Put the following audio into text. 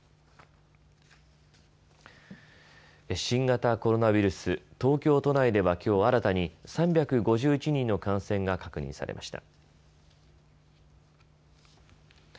新型コロナウイルス、東京都内ではきょう新たに３５１人の感染が確認されました。